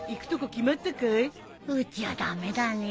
うちは駄目だね。